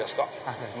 そうです。